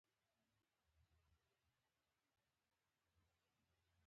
اقلیم بدلون هم د ایکوسیستم د کمزورتیا سبب و.